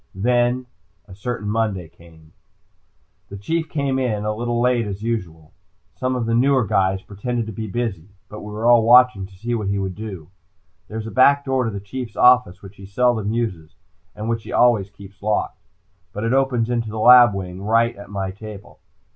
Then a certain Monday came. The Chief came in, a little late as usual. Some of the newer guys pretended to be busy, but we were all watching to see what he would do. There is a back door to the Chief's office which he seldom uses and which he always keeps locked. But it opens into the lab wing right at my table.